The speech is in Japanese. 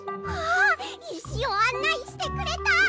わあいしをあんないしてくれた！